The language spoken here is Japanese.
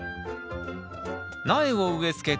苗を植えつけたら